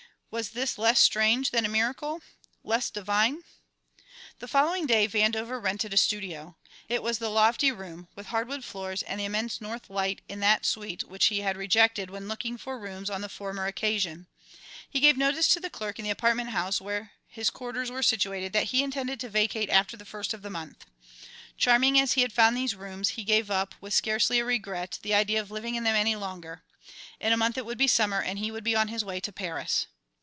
Was this less strange than a miracle? Less divine? The following day Vandover rented a studio. It was the lofty room with hardwood floors and the immense north light in that suite which he had rejected when looking for rooms on the former occasion. He gave notice to the clerk in the apartment house where his quarters were situated that he intended to vacate after the first of the month. Charming as he had found these rooms, he gave up, with scarcely a regret, the idea of living in them any longer. In a month it would be summer and he would be on his way to Paris.